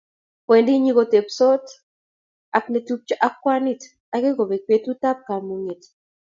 Wendi nyokotebsot ak ne tupcho ak kwanit agoi kobek betut ab kamung'et